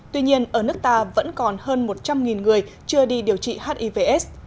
tuy nhiên ở nước ta vẫn còn hơn một trăm linh người chưa đi điều trị hiv aids